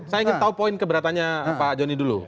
saya ingin tau poin keberatannya pak jonny dulu